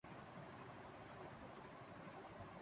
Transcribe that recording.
نظام الدین سیالوی کے تازہ ترین انکشافات تشویشناک ہیں۔